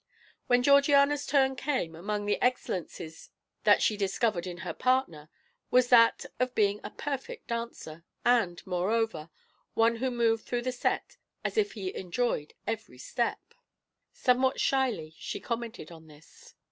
When Georgiana's turn came, among the excellencies that she discovered in her partner was that of being a perfect dancer; and, moreover, one who moved through the set as if he enjoyed every step. Somewhat shyly she commented on this.